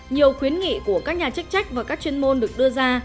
nhiều khuyến nghị của các nhà chức trách và các chuyên môn được đưa ra